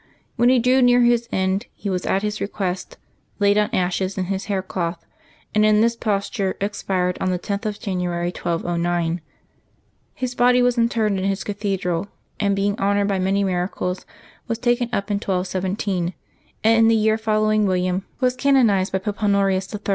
When he drew near his end, he was, at his request, laid on ashes in his hair cloth, and in this posture expired on the 10th of January, 1209. His body was interred in his cathedral, and, being honored by many miracles, was taken up in 1217, and in the year fol lowing William was canonized by Pope Honorius III.